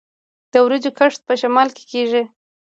د وریجو کښت په شمال کې کیږي.